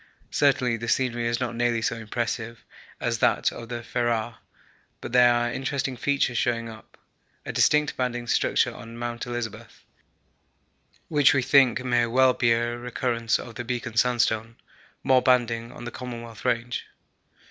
Certainly the scenery is not nearly so impressive as that of the Ferrar, but there are interesting features showing up a distinct banded structure on Mount Elizabeth, which we think may well be a recurrence of the Beacon Sandstone more banding on the Commonwealth Range.